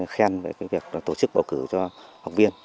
khen về việc tổ chức bầu cử cho học viên